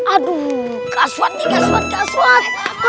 aduh gaswat nih gaswat gaswat